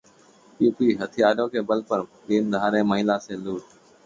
UP हथियारों के बल पर दिनदहाड़े महिला से लूट